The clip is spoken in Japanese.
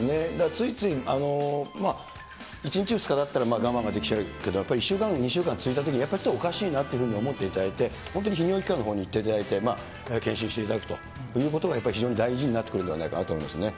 ついつい１日、２日だったら我慢ができちゃうけど、やっぱり１週間、２週間続いたときにやっぱりおかしいなというふうに思っていただいて、本当に泌尿器科のほうに行っていただいて、検診していただくということがやっぱり非常に大事になってくるんではないかと思います。